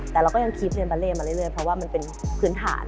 แต่เราก็ยังคิดเรียนบาเล่มาเรื่อยเพราะว่ามันเป็นพื้นฐาน